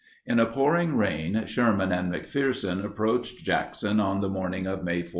] In a pouring rain, Sherman and McPherson approached Jackson on the morning of May 14.